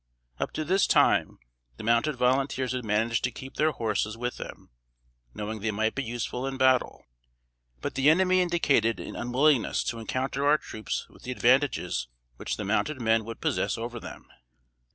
Up to this time, the mounted volunteers had managed to keep their horses with them, knowing they might be useful in battle. But the enemy indicated an unwillingness to encounter our troops with the advantages which the mounted men would possess over them.